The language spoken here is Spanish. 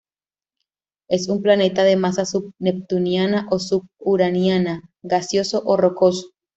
Es un planeta de masa sub-neptuniana o sub-uraniana gaseoso o rocoso.